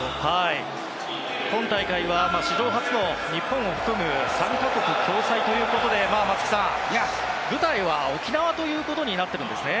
今大会は、史上初の日本を含む３か国共催ということで松木さん、舞台は沖縄となっているんですね。